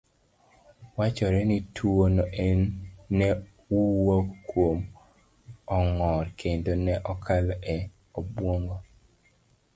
Wachore ni tuwono ne wuok kuom ong'or, kendo ne okalo e obwongo